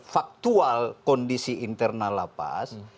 faktual kondisi internal lapas